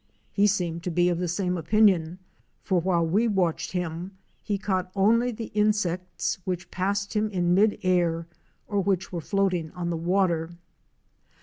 He seemed to be of the same opinion, for while we watched him he caught only the insects which passed him in mid air or which were floating on the water.